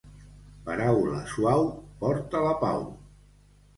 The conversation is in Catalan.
Paraula suau porta la pau.